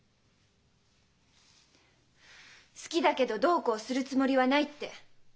「好きだけどどうこうするつもりはない」って。